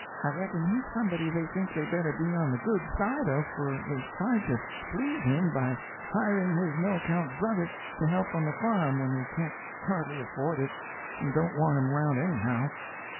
I reckon he's somebody they think they better be on the good side of, for they've tried to please him by hiring his no account brother to help on the farm when they can't hardly afford it, and don't want him around anyhow.